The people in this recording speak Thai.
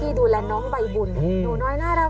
ไปด้วยแล้วก็ชื่นชมความทุ่มเทของผู้ช่วยพยาบาลรายนี้นะคะแล้วก็ยัง